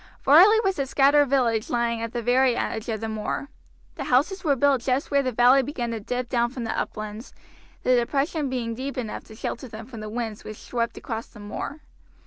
Varley was a scattered village lying at the very edge of the moor. The houses were built just where the valley began to dip down from the uplands, the depression being deep enough to shelter them from the winds which swept across the moor.